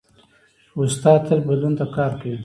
استاد تل بدلون ته کار کوي.